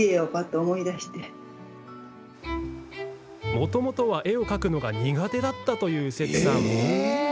もともとは絵を描くのが苦手だったというセツさん。